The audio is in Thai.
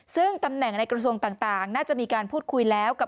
ซึ่งตำแหน่งในกระทรวงต่างน่าจะมีการพูดคุยแล้วกับ